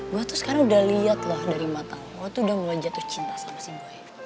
gue tuh sekarang udah liat lah dari mata lo gue tuh udah mulai jatuh cinta sama si boy